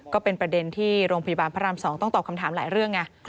ก็เป็นประเด็นที่โรงพยาบาลพระราม๒ต้องตอบคำถามหลายเรื่องไง